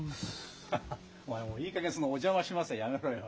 ハハッお前もういいかげんその「お邪魔します」はやめろよ。